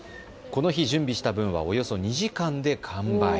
この日準備した分はおよそ２時間で完売。